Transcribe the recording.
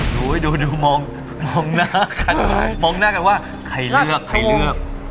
ดูให้ดูดูมองหน้ากันมองหน้ากันว่าใครเลือกใครเลือก